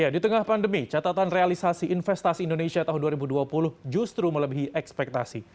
di tengah pandemi catatan realisasi investasi indonesia tahun dua ribu dua puluh justru melebihi ekspektasi